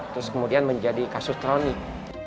terus kemudian menjadi kasus kronik